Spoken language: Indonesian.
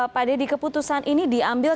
pak dedy keputusan ini diambil